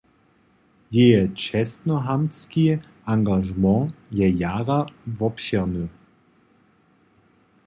Jeje čestnohamtski angažement je jara wobšěrny.